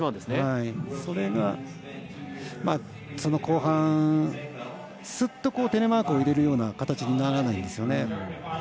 それが後半スッとテレマークを入れる形にならないんですよね。